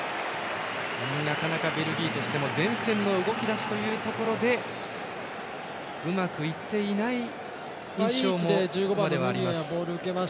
なかなかベルギーとしても前線の動きだしというところでうまくいっていない印象もあります。